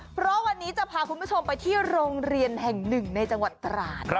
เพราะวันนี้จะพาคุณผู้ชมไปที่โรงเรียนแห่งหนึ่งในจังหวัดตราด